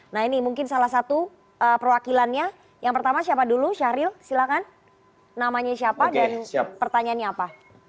nah ini mungkin salah satu perwakilannya yang pertama siapa dulu syahril silahkan namanya siapa dan pertanyaannya apa